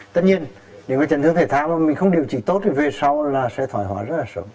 tất nhiên nếu mà trấn thương thể thao mà mình không điều trị tốt thì về sau là sẽ thoải hóa rất là sớm